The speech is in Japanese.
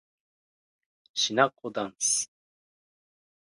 しなこだんす